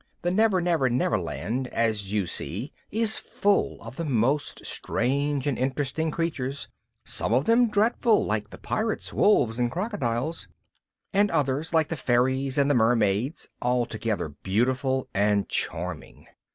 The Never Never Never Land, as you see, is full of the most strange and interesting creatures; some of them dreadful, like the Pirates, wolves, and crocodiles; others, like the fairies and the mermaids, altogether beautiful and charming.